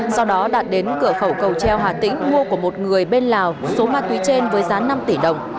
sau đó đạt đến cửa khẩu cầu treo hà tĩnh mua của một người bên lào số ma túy trên với giá năm tỷ đồng